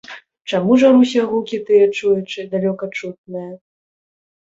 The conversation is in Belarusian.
Чаму журуся, гукі тыя чуючы, далёка чутныя?